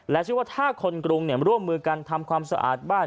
เชื่อว่าถ้าคนกรุงร่วมมือกันทำความสะอาดบ้าน